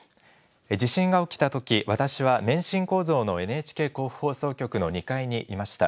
地震が起きたとき、私は免震構造のＮＨＫ甲府放送局の２階にいました。